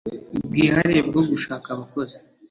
bwihariye bwo gushaka abakozi